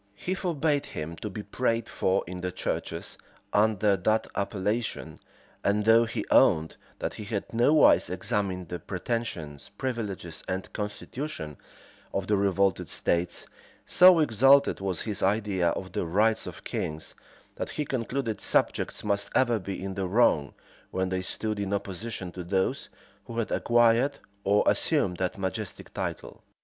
He forbade him to be prayed for in the churches under that appellation; and though he owned, that he had nowise examined the pretensions, privileges, and constitution of the revolted states,[*] so exalted was his idea of the rights of kings, that he concluded subjects must ever be in the wrong, when they stood in opposition to those who had acquired or assumed that majestic title.